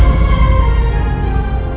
pada saat itu saya